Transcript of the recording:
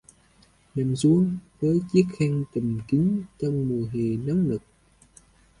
Nằm xuống với chiếc khăn chùm kín trong mùa hè nóng nực